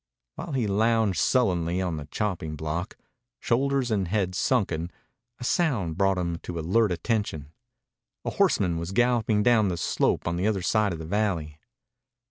While he lounged sullenly on the chopping block, shoulders and head sunken, a sound brought him to alert attention. A horseman was galloping down the slope on the other side of the valley.